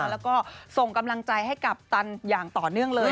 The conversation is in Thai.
แล้วก็ส่งกำลังใจให้กัปตันอย่างต่อเนื่องเลย